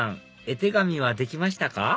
絵手紙はできましたか？